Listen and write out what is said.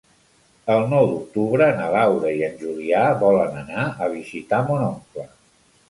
El nou d'octubre na Laura i en Julià volen anar a visitar mon oncle.